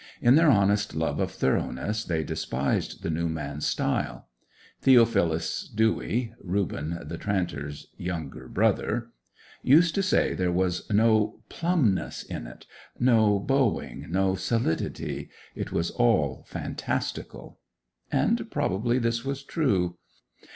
In their honest love of thoroughness they despised the new man's style. Theophilus Dewy (Reuben the tranter's younger brother) used to say there was no 'plumness' in it—no bowing, no solidity—it was all fantastical. And probably this was true.